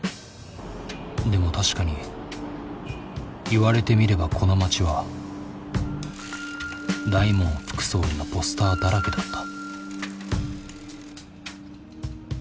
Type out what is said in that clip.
でも確かに言われてみればこの街は大門副総理のポスターだらけだった。